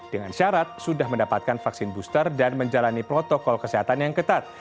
dengan syarat sudah mendapatkan vaksin booster dan menjalani protokol kesehatan yang ketat